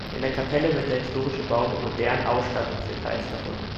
In der Kapelle wird der historische Bau mit modernen Ausstattungsdetails verbunden.